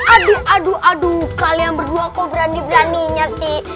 aduh aduh aduh kalian berdua kok berani beraninya sih